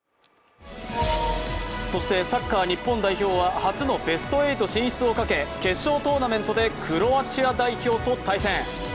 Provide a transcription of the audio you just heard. そしてサッカー日本代表は初のベスト８進出をかけて決勝トーナメントでクロアチア代表と対戦。